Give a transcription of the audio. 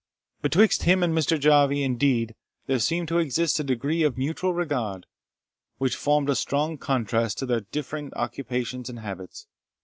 Betwixt him and Mr. Jarvie, indeed, there seemed to exist a degree of mutual regard, which formed a strong contrast to their different occupations and habits.